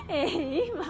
今？